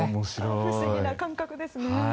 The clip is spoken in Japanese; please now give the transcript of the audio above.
不思議な感覚ですね。